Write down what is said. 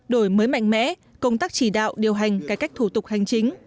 đổi mới mạnh mẽ công tác chỉ đạo điều hành cải cách thủ tục hành chính